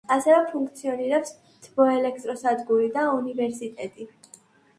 ასევე ფუნქციონირებს თბოელექტროსადგური და უნივერსიტეტი.